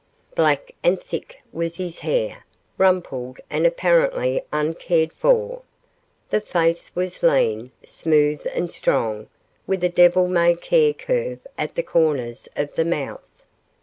Black and thick was his hair, rumpled and apparently uncared for. The face was lean, smooth and strong, with a devil may care curve at the corners of the mouth.